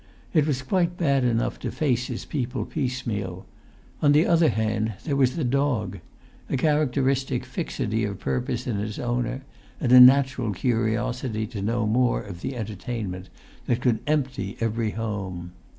It was quite bad enough to face his people piece meal. On the other hand, there was the dog; a characteristic fixity of purpose in its owner; and a natural curiosity to know more of the entertainment that could empty every home.